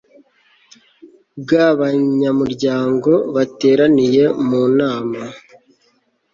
bw abanyamuryango bateraniye mu Nama